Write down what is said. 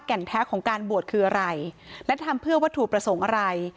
นแท้ของการบวชคืออะไรและทำเพื่อวัตถุประสงค์อะไร